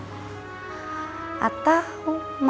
atau mama liat dina masih suka lo sama kamu